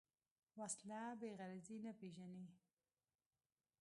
وسله بېغرضي نه پېژني